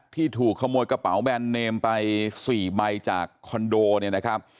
ที่ถูกขโมยกระเป๋าแบนเนมไป๔ใบจากคอนโดเนี่ยนะครับ